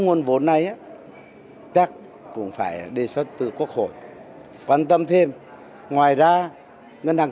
nguồn vốn quỹ quốc gia về việc làm hiện cũng không đủ đáp ứng